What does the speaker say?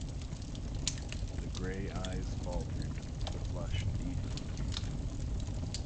The gray eyes faltered; the flush deepened.